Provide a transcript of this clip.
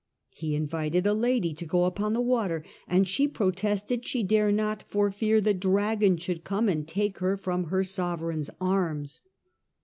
He invited a lady to go upon the water, and she protested she dare not for fear the Dragon should come and take her from her sovereign's arms.